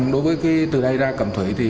đối với từ đây ra cẩm thủy